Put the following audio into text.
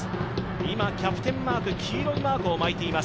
今キャプテンマーク黄色いマークを巻いています。